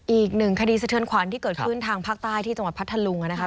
อีกหนึ่งคดีสะเทือนขวัญที่เกิดขึ้นทางภาคใต้ที่จังหวัดพัทธลุงนะครับ